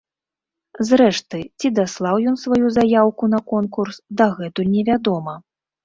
Зрэшты, ці даслаў ён сваю заяўку на конкурс, дагэтуль невядома.